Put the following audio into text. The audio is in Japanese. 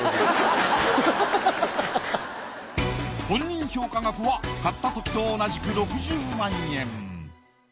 本人評価額は買ったときと同じく６０万円。